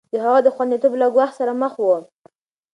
د هغه خونديتوب له ګواښ سره مخ و.